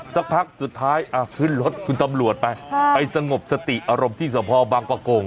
สักพักสุดท้ายขึ้นรถคุณตำรวจไปไปสงบสติอารมณ์ที่สภบางประกง